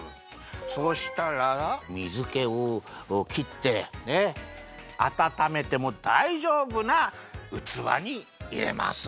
そうしたらみずけをきってあたためてもだいじょうぶなうつわにいれます。